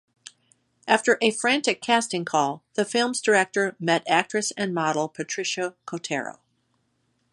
After a frantic casting call, the film's director met actress and model Patricia Kotero.